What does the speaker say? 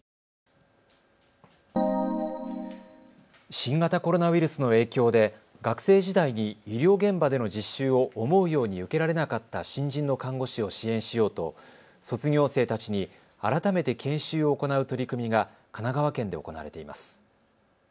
新型コロナウイルスの影響で学生時代に医療現場での実習を思うように受けられなかった新人の看護師を支援しようと卒業生たちに改めて研修を行う取り組みが神奈川県で行われています。